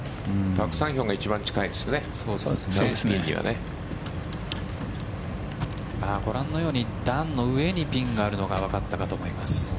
パク・サンヒョンが一番近いですね、ピンには。段の上にピンがあるのが分かったかと思います。